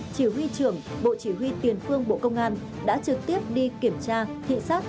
chỉ huy trưởng bộ chỉ huy tiền phương bộ công an đã trực tiếp đi kiểm tra thị xác